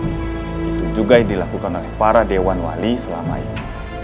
itu juga yang dilakukan oleh para dewan wali selama ini